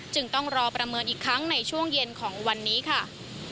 จึงต้องรอประเมินอีกครั้งในช่วงเย็นของวันนี้ค่ะ